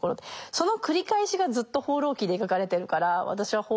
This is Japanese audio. その繰り返しがずっと「放浪記」に描かれてるから私は「放浪記」